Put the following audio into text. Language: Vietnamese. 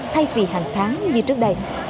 thay vì hàng tháng như trước đây